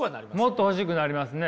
もっと欲しくなりますね。